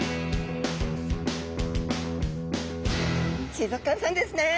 水族館さんですねえ！